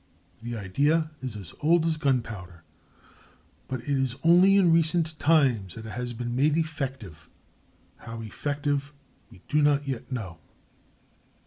The idea is as old as gunpowder, but it is only in recent times that it has been made effective,—how effective we do not yet know.